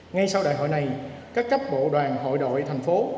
ngay sau đại hội này các cấp bộ đoàn hội đội thành phố